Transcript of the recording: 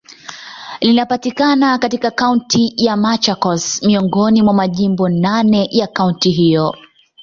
Linapatikana katika Kaunti ya Machakos, miongoni mwa majimbo naneya kaunti hiyo.